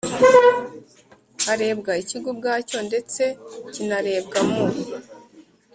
harebwa ikigo ubwacyo ndetse kinarebwa mu